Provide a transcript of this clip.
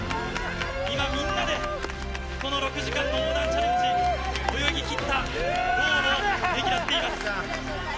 今みんなでこの６時間の横断チャレンジ泳ぎきった労をねぎらっています。